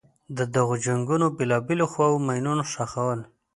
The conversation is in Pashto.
د دغو جنګونو بېلابېلو خواوو ماینونه ښخول.